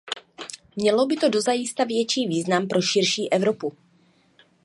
Mělo by to dozajista větší význam pro širší Evropu.